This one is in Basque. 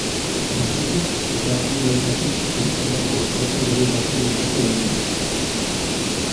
Batetik, erakundeetatik bestelako gizarte eredu baten aldeko lanari.